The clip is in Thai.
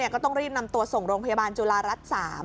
ก็ต้องรีบนำตัวส่งโรงพยาบาลจุฬารัฐ๓